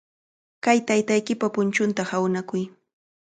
Kay taytaykipa punchunta hawnakuy.